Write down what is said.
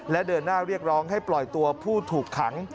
และเดินหน้าเรียกร้องให้ปล่อยตัวผู้ถูกขัง